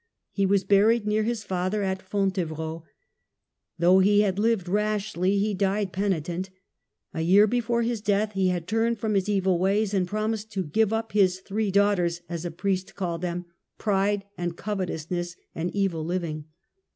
He was buried near his father at Fontevrault Though he had lived rashly he died penitent. A year before his death he had turned from his evil ways, and promised to give up his * three daughters ', as a priest called them, Pride, and Covetousness, and Evil living.